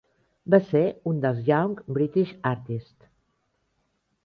Va ser un dels Young British Artists.